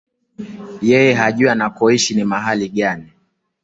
Yeye hajui anakoishi ni mahali gani